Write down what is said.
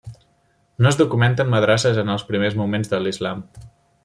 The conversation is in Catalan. No es documenten madrasses en els primers moments de l'islam.